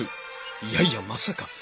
いやいやまさか。